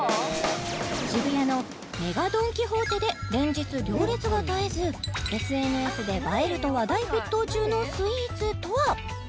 渋谷のＭＥＧＡドン・キホーテで連日行列が絶えずＳＮＳで映えると話題沸騰中のスイーツとは？